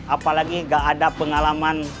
apalagi nggak ada pengalaman